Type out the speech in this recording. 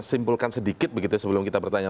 simpulkan sedikit begitu sebelum kita bertanya